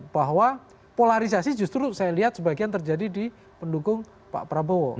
bahwa polarisasi justru saya lihat sebagian terjadi di pendukung pak prabowo